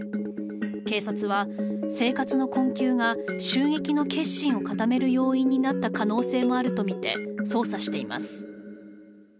警察は生活の困窮が襲撃の決心を固める要因になった可能性もあるとみて捜査しています。